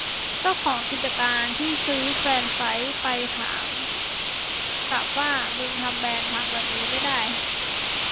เจ้าของกิจการที่ซื้อแฟรนไซส์ไปถามกลับว่ามึงทำแบรนด์พังแบบนี้ไม่ได้